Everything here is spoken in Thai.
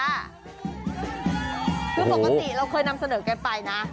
คือปกติเราเคยนำเสนอกันไปนะ